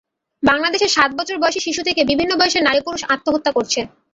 বাংলাদেশে সাত বছর বয়সী শিশু থেকে বিভিন্ন বয়সের নারী-পুরুষ আত্মহত্যা করছে।